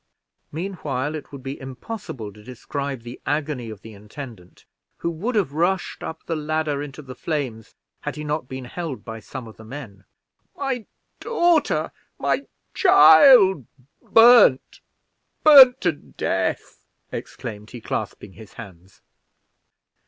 Meanwhile it would be impossible to describe the agony of the intendant, who would have rushed up the ladder into the flames, had he not been held by some of the men. "My daughter! my child! burned burned to death!" exclaimed he, clasping his hands.